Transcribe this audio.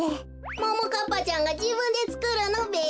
ももかっぱちゃんがじぶんでつくるのべ？